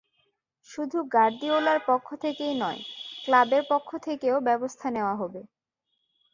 শুধু গার্দিওলার পক্ষ থেকেই নয়, ক্লাবের পক্ষ থেকেও ব্যবস্থা নেওয়া হবে।